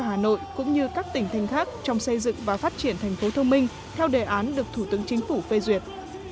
hà nội cũng như các tỉnh thành khác trong xây dựng và phát triển thành phố thông minh theo đề án được thủ tướng chính phủ phê duyệt